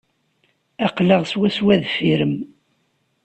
Aql-aɣ swaswa deffir-m.